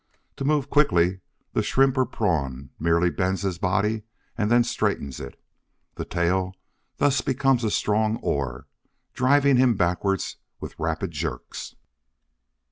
To move quickly, the Shrimp or Prawn merely bends his body, then straightens it. The tail thus becomes a strong oar, driving him backwards with rapid jerks.